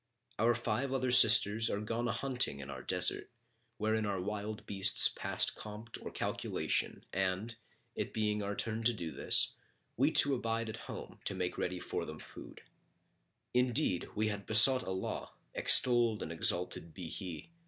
Our five other sisters are gone a hunting in our desert, wherein are wild beasts past compt or calculation and, it being our turn to do this we two abode at home, to make ready for them food. Indeed, we had besought Allah (extolled and exalted be He!)